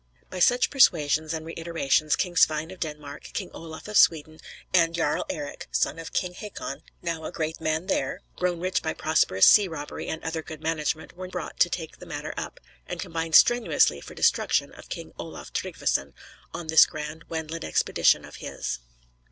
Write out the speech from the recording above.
By such persuasions, and reiterations, King Svein of Denmark, King Olaf of Sweden, and Jarl Eric, now a great man there, grown rich by prosperous sea robbery and other good management, were brought to take the matter up, and combine strenuously for destruction of King Olaf Tryggveson on this grand Wendland expedition of his.